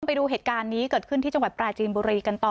ไปดูเหตุการณ์นี้เกิดขึ้นที่จังหวัดปราจีนบุรีกันต่อ